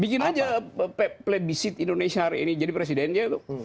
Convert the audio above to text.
bikin aja plebisit indonesia hari ini jadi presidennya loh